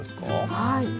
はい。